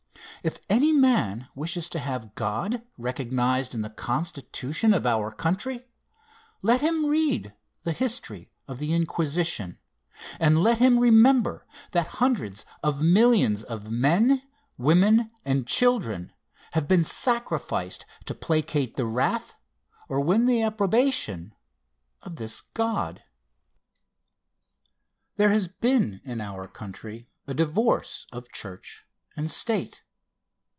If any man wishes to have God recognized in the Constitution of our country, let him read the history of the Inquisition, and let him remember that hundreds of millions of men, women and children have been sacrificed to placate the wrath, or win the approbation of this God. There has been in our country a divorce of church and state.